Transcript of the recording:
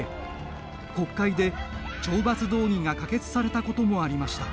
国会で懲罰動議が可決されたこともありました。